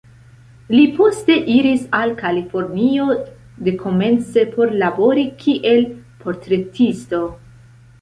Li poste iris al Kalifornio, dekomence por labori kiel portretisto.